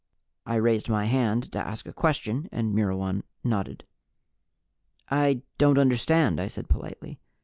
I raised my hand to ask a question, and Myrwan nodded. "I don't understand." I said politely.